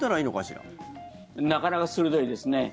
なかなか鋭いですね。